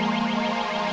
seekai tas tak dimeliharkan